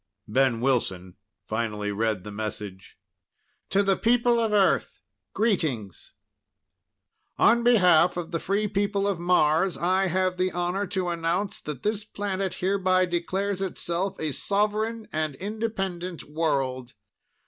Ben Wilson finally read the message. "To the people of Earth, greetings! "On behalf of the free people of Mars, I have the honor to announce that this planet hereby declares itself a sovereign and independent world.